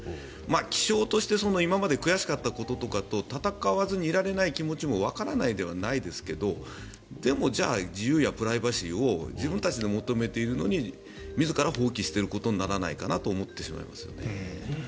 気性として今まで悔しかったことと戦わずにはいられない気持ちはわからないではないですがでもじゃあ自由やプライバシーを自分たちが求めているのに自ら放棄していることにならないかなと思ってしまいますよね。